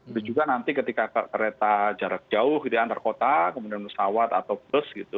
itu juga nanti ketika kereta jarak jauh gitu ya antar kota kemudian pesawat atau bus gitu